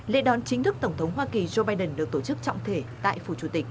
lễ đón chính thức tổng thống hoa kỳ joe biden được tổ chức trọng thể tại phủ chủ tịch